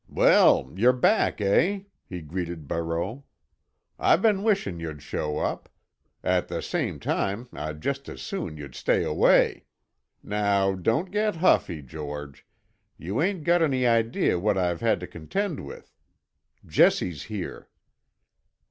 "Well, you're back, eh?" he greeted Barreau. "I been wishin' you'd show up. At the same time I'd just as soon you'd stay away. Now, don't get huffy, George. You ain't got any idee what I've had to contend with. Jessie's here."